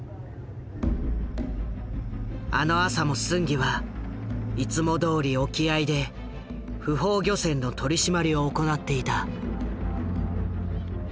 あの朝もスンギはいつもどおり沖合で不法漁船の取り締まりを行っていた。